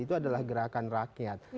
itu adalah gerakan rakyat